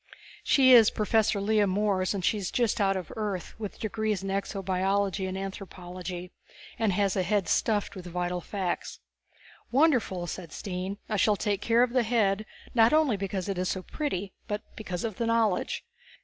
She is Professor Lea Morees, and she is just out from Earth with degrees in exobiology and anthropology, and has a head stuffed with vital facts." "Wonderful!" Stine said. "I shall take care of the head, not only because it is so pretty but because of its knowledge.